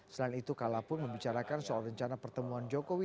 selain itu kala pun membicarakan soal rencana pertemuan jokowi